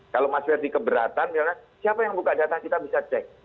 kalau mas verdi keberatan siapa yang buka data kita bisa cek